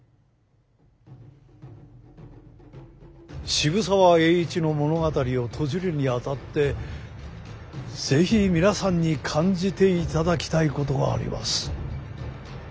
渋沢栄一の物語を閉じるにあたって是非皆さんに感じていただきたいことがあります。